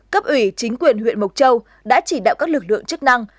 cấp ủy chính quyền huyện mộc châu đã chỉ đạo các lực lượng chức năng